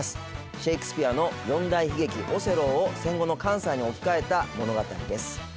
シェイクスピアの四大悲劇「オセロー」を戦後の関西に置き換えた物語です